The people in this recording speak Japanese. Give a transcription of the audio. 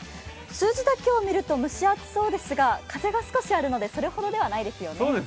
数字だけを見ると蒸し暑そうですが、風が少しあるのでそれほどではないですよね。